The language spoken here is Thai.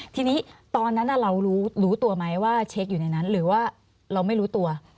ทีนี้ตอนนั้นเรารู้ตัวไหมว่าเช็คอยู่ในนั้นหรือว่าเราไม่รู้ตัว